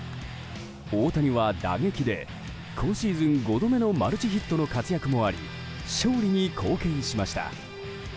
大谷は打撃で今シーズン５度目のマルチヒットの活躍もあり勝利に貢献しました。